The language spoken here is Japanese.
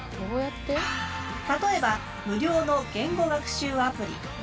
例えば無料の言語学習アプリ。